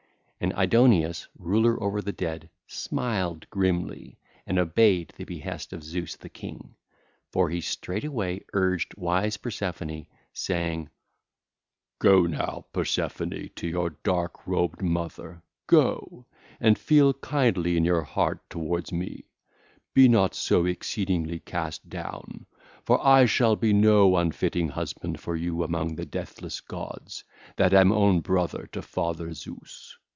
And Aidoneus, ruler over the dead, smiled grimly and obeyed the behest of Zeus the king. For he straightway urged wise Persephone, saying: (ll. 360 369) 'Go now, Persephone, to your dark robed mother, go, and feel kindly in your heart towards me: be not so exceedingly cast down; for I shall be no unfitting husband for you among the deathless gods, that am own brother to father Zeus.